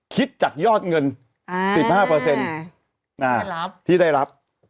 คิดจากยอดเงิน๑๕ที่ได้รับ